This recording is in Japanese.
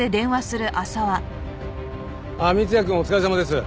三ツ矢くんお疲れさまです。